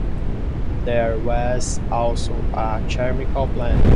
There was also a chemical plant.